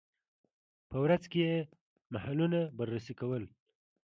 په ورځ کې یې محلونه بررسي کول.